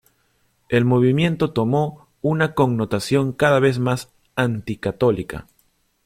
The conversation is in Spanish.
El movimiento tomó una connotación cada vez más anticatólica.